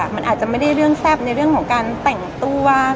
มันอาจจะไม่ได้เรื่องแซ่บในเรื่องของการแต่งตัว